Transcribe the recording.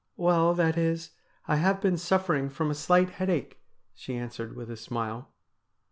Well, that is, I have been suffering from a slight headache,' she answered with a smile.